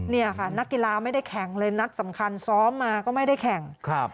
เนี่ยค่ะนักกีฬาไม่ได้แข่งเลยนัดสำคัญซ้อมมาก็ไม่ได้แข่ง